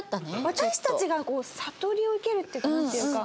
私たちがこう悟りを受けるっていうかなんていうか。